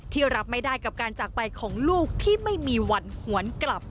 รับไม่ได้กับการจากไปของลูกที่ไม่มีวันหวนกลับ